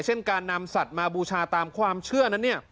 เช่นการนำสัตว์มาเบื้องชาติตามความเชื่อ